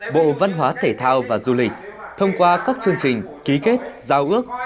bộ văn hóa thể thao và du lịch thông qua các chương trình ký kết giao ước